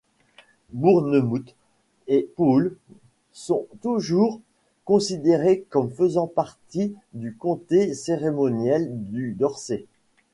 Bournemouth et Poole sont toujours considérées comme faisant partie du comté cérémoniel du Dorset.